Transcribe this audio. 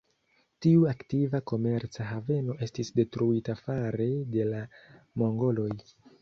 Tiu aktiva komerca haveno estis detruita fare de la mongoloj.